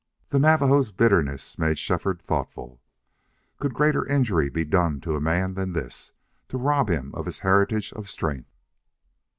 The Navajo's bitterness made Shefford thoughtful. Could greater injury be done to man than this to rob him of his heritage of strength?